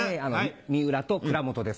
三浦と倉本です